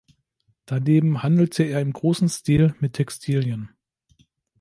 Daneben handelte er im grossen Stil mit Textilien.